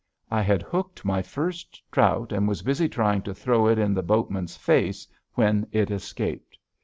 I had hooked my first trout and was busy trying to throw it in the boatman's face when it escaped.